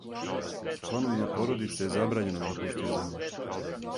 Члановима породице је забрањено да напуштају земљу.